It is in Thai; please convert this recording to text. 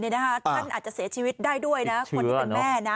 ท่านอาจจะเสียชีวิตได้ด้วยนะคนที่เป็นแม่นะ